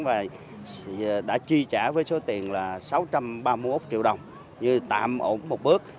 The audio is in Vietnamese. và đã chi trả với số tiền là sáu trăm ba mươi một triệu đồng như tạm ổn một bước